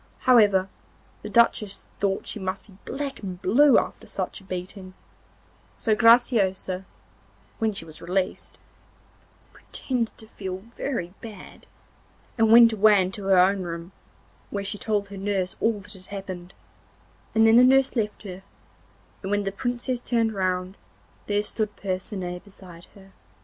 However, the Duchess thought she must be black and blue after such a beating; so Graciosa, when she was released, pretended to feel very bad, and went away into her own room, where she told her nurse all that had happened, and then the nurse left her, and when the Princess turned round there stood Percinet beside her.